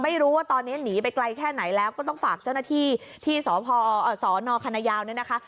ไม่รู้ว่าตอนนี้หนีไปไกลแค่ไหนแล้วก็ต้องฝากเจ้าหน้าที่ที่สนคณะยาวเนี่ยนะคะ